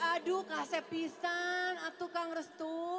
aduh kak sepisan tukang restu